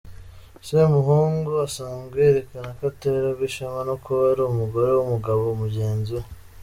Semuhungu asanzwe yerekana ko aterwa ishema no kuba ari umugore w’umugabo mugenzi we.